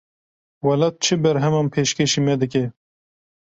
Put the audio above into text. Welat çi berheman pêşkêşî me dike?